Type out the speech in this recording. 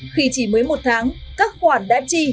khi chỉ mới một tháng các khoản đã chi